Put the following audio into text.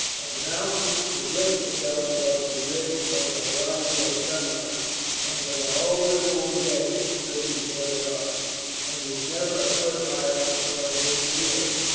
A mountain would lift itself above the rim of the horizon at sunrise, and for the whole livelong day it stood before their eyes, and was never a foot higher or an inch nearer.